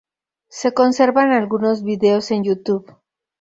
Se conservan algunos videos en YouTube.